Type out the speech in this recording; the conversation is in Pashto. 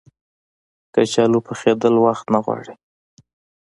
کچالو پخېدل وخت نه غواړي